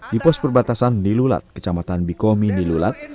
di pos perbatasan nilulat kecamatan bikomi nilulat